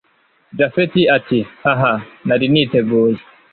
japhet ati haha nari niteguye